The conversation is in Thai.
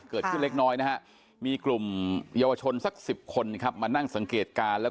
เกิดขึ้นเล็กน้อยนะครับมีกลุ่มเยาวชนสักสิบคนมานั่งสังเกตการณ์